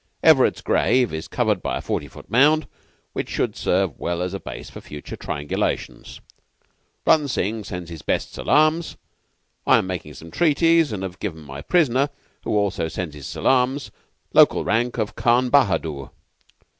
Everett's grave is covered by a forty foot mound, which should serve well as a base for future triangulations. Rutton Singh sends his best salaams. I am making some treaties, and have given my prisoner who also sends his salaams local rank of Khan Bahadur.